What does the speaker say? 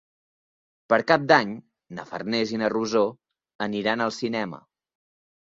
Per Cap d'Any na Farners i na Rosó aniran al cinema.